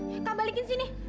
kak balikin sini